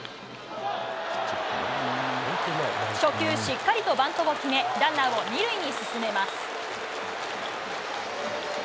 初球、しっかりとバントを決め、ランナーを２塁に進めます。